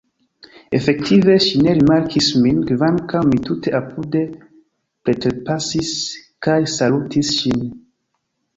Efektive ŝi ne rimarkis min, kvankam mi tute apude preterpasis kaj salutis ŝin.